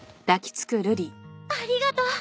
ありがとう！